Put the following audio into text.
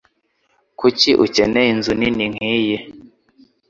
Kuki ukeneye inzu nini nkiyi?